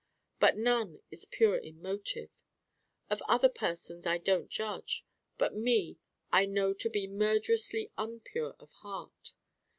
But none is pure in motive. Of other persons I don't judge. But me I know to be murderously un pure of heart.